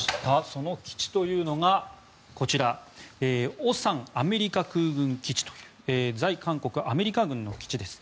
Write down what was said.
その基地というのがオサンアメリカ空軍基地という在韓国アメリカ軍の基地です。